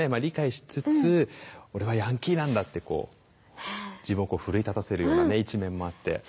理解しつつ俺はヤンキーなんだってこう自分を奮い立たせるような一面もあって。